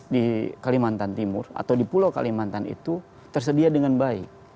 di kalimantan timur atau di pulau kalimantan itu tersedia dengan baik